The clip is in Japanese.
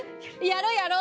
やろやろ。